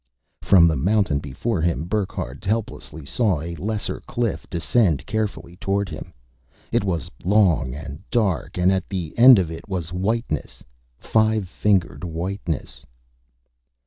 From the mountain before him, Burckhardt helplessly saw a lesser cliff descend carefully toward him. It was long and dark, and at the end of it was whiteness, five fingered whiteness....